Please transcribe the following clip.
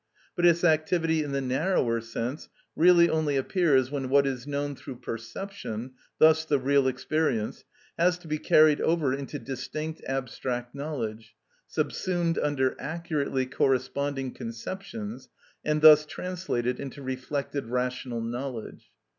But its activity in the narrower sense really only appears when what is known through perception, thus the real experience, has to be carried over into distinct abstract knowledge, subsumed under accurately corresponding conceptions, and thus translated into reflected rational knowledge.